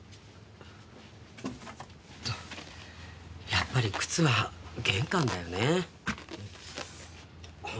やっぱり靴は玄関だよねああ